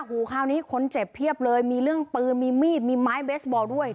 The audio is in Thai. คราวนี้คนเจ็บเพียบเลยมีเรื่องปืนมีมีดมีไม้เบสบอลด้วย